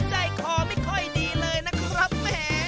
ใจคอไม่ค่อยดีเลยนะครับ